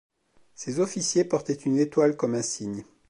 Ces officiers portaient une étoile comme insigne.